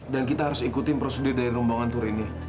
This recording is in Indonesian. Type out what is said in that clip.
dan kita harus ikuti prosedur dari rombongan tour ini